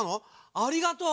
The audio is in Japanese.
ありがとう！